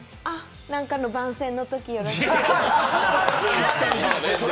何かの番宣のとき、ぜひ、よろしくお願いします。